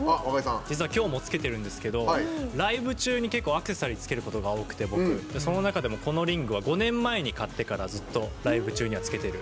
実は今日も着けてるんですけどライブ中に結構、アクセサリー着けることが多くてその中でも、このリングは５年前に買ってからずっとライブ中には着けてる。